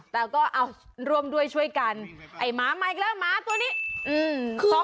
แต่ก็เอาร่วมด้วยช่วยกันไอ้หมามาอีกแล้วหมาตัวนี้อืม